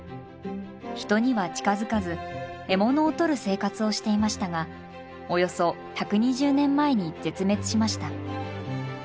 人には近づかず獲物を取る生活をしていましたがおよそ１２０年前に絶滅しました。